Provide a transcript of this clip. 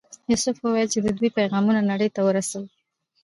یوسف وویل چې د دوی پیغامونه نړۍ ته ورسوو.